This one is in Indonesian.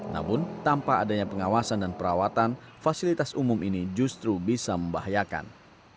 namun tanpa adanya pengawasan dan perawatan fasilitas umum ini justru bisa membahayakan